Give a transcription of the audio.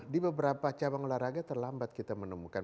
di beberapa cabang olahraga terlambat kita menemukan